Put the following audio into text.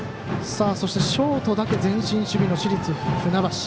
そして、ショートだけ前進守備の市立船橋。